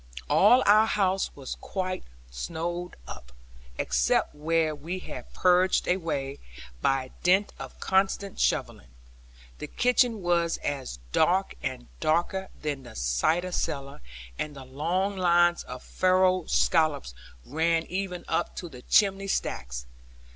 All our house was quite snowed up, except where we had purged a way, by dint of constant shovellings. The kitchen was as dark and darker than the cider cellar, and long lines of furrowed scollops ran even up to the chimney stacks.